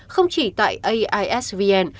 không chỉ tại aisvn